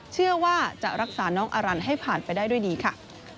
เชื่อว่าจะรักษาน้องอารันให้ผ่านไปได้ด้วยดีค่ะ